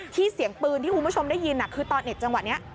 เสียงปืนที่คุณผู้ชมได้ยินคือตอนเน็ตจังหวะนี้